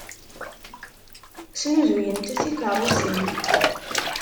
Snuzuyent tikeṛṛusin.